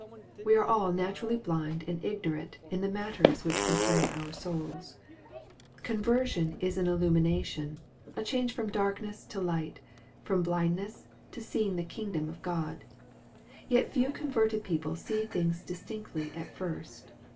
We are all naturally blind and ignorant in the matters which con cern our souls. Conversion is an illumination, a change from darkness to light, from blindness to seeing the king dom of God. Yet few converted people see things dis tinctly at first.